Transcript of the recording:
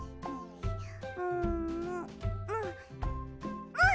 うん！